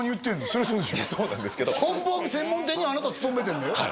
そりゃそうでしょそうなんですけどハンバーグ専門店にあなた勤めてるんだよ？